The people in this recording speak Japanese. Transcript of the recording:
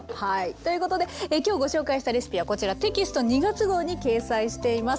ということで今日ご紹介したレシピはこちらテキスト２月号に掲載しています。